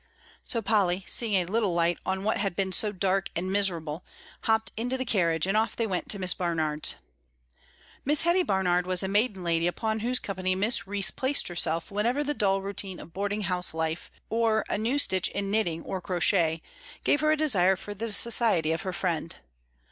So Polly, seeing a little light on what had been so dark and miserable, hopped into the carriage, and off they went to Miss Barnard's. Miss Hetty Barnard was a maiden lady upon whose company Miss Rhys placed herself whenever the dull routine of boarding house life, or a new stitch in knitting or crochet, gave her a desire for the society of her friend.